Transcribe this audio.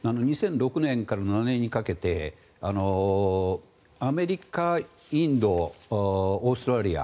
２００６年から２００７年にかけてアメリカ、インドオーストラリア